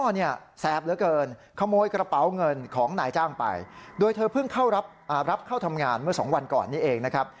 เนี่ยแสบเหลือเกินขโมยกระเป๋าเงินของนายจ้างไปโดยเธอเพิ่งเข้ารับเข้าทำงานเมื่อสองวันก่อนนี้เองนะครับ